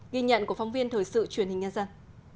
ghi nhận của phóng viên thời sự truyền hình nhân dân